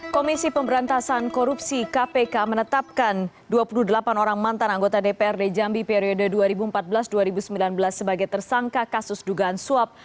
komisi pemberantasan korupsi kpk menetapkan dua puluh delapan orang mantan anggota dprd jambi periode dua ribu empat belas dua ribu sembilan belas sebagai tersangka kasus dugaan suap